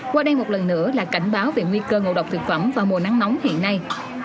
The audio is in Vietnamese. qua đây một lần nữa là cảnh báo về nguy cơ ngộ độc thực phẩm vào mùa nắng nóng hiện nay